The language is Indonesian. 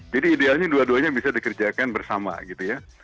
jadi idealnya dua duanya bisa dikerjakan bersama gitu ya